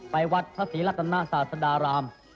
วัดพระศรีรัตนาศาสดาราม